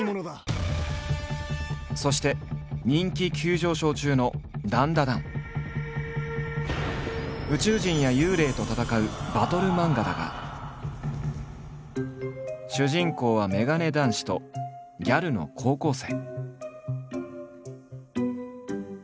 そして人気急上昇中の宇宙人や幽霊と戦うバトル漫画だが主人公はメガネ男子とギャルの高校生。